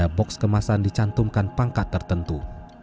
tiga box kemasan dicantumkan pangkat tertentu